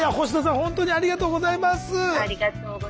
ありがとうございます。